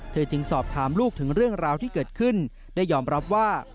จึงสอบถามลูกถึงเรื่องราวที่เกิดขึ้นได้ยอมรับว่า